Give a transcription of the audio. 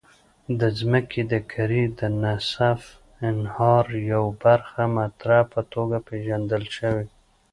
د ځمکې د کرې د نصف النهار یوه برخه متر په توګه پېژندل شوې.